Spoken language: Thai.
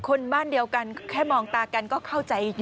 คนบ้านเดียวกันแค่มองตากันก็เข้าใจ